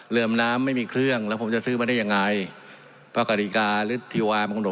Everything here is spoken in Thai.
เรื่องน้ำน้ำไม่มีเครื่องแล้วผมจะซื้อมาได้ยังไงพกฎิกาหรือองค์โดหมายธรรมดา